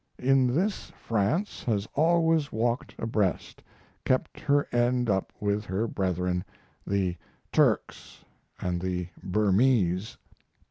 In this France has always walked abreast, kept her end up with her brethren, the Turks and the Burmese.